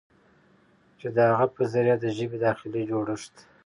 چې د هغه په ذريعه د ژبې داخلي جوړښت